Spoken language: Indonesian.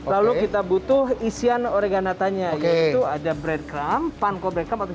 lalu kita butuh isian oreganatanya yaitu ada breadcrumb panko breadcrumb